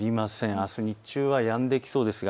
あす日中はやんできそうです。